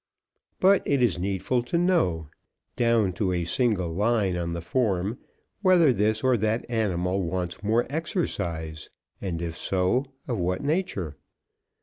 But it is needful to know, down to a single line on the form, whether this or that animal wants more exercise, and if so, of what nature.